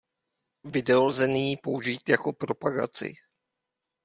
Video lze nyní použít jako propagaci.